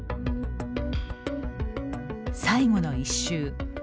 最後の１周。